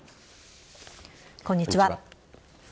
こんにちは。